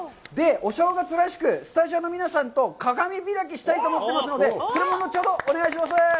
お正月らしくスタジオの皆さんと鏡開きをしたいと思ってますので、それも後ほどお願いします。